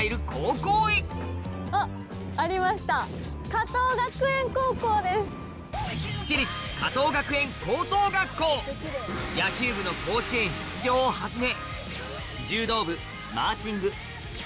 早速私立加藤学園高等学校野球部の甲子園出場をはじめ